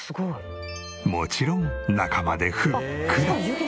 もちろん中までふっくら。